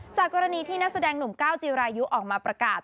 จากกรณีที่นักแสดงหนุ่มก้าวจีรายุออกมาประกาศ